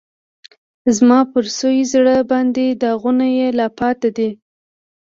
زما پر سوي زړه باندې داغونه یې لا پاتی دي